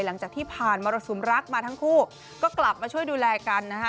หลังจากที่ผ่านมามรสุมรักมาทั้งคู่ก็กลับมาช่วยดูแลกันนะคะ